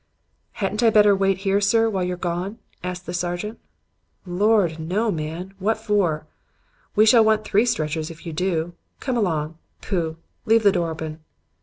"'Hadn't I better wait here, sir, while you're gone?' asked the sergeant. "'Lord, no, man. What for? We shall want three stretchers if you do. Come along. Pooh! Leave the door open.'